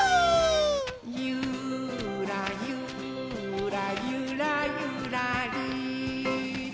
「ゆーらゆーらゆらゆらりー」